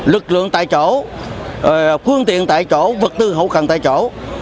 lực lượng tại chỗ phương tiện tại chỗ vật tư hậu cần tại chỗ